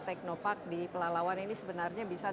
teknopark di pelalawan ini sebenarnya bisa